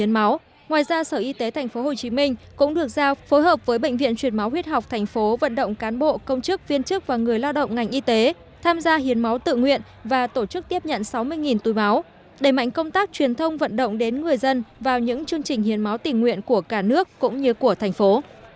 ngoài ra sở y tế tp hcm cũng được giao phối hợp với bệnh viện truyền máu huyết học thành phố vận động cán bộ công chức viên chức và người lao động ngành y tế tham gia hiến máu tự nguyện và tổ chức tiếp nhận sáu mươi túi máu đẩy mạnh công tác truyền thông vận động đến người dân vào những chương trình hiến máu tình nguyện của cả nước cũng như của thành phố